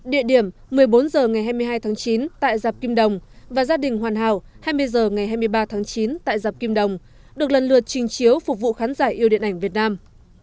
địa điểm một mươi bốn h ngày hai mươi hai tháng chín tại dạp kim đồng và gia đình hoàn hảo hai mươi h ngày hai mươi ba tháng chín tại giạp kim đồng được lần lượt trình chiếu phục vụ khán giả yêu điện ảnh việt nam